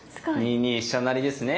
２二飛車成ですね？